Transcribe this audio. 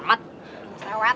nggak usah lewat